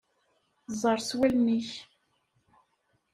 Ẓer s wallen-ik.